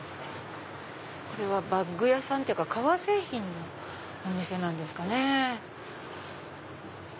これはバッグ屋さんっていうか革製品のお店なんですかね？